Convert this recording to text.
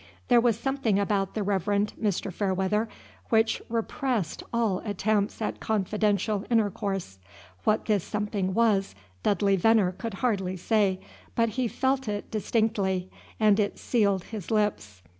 There was something about the Reverend Mr. Fairweather which repressed all attempts at confidential intercourse. What this something was, Dudley Venner could hardly say; but he felt it distinctly, and it sealed his lips.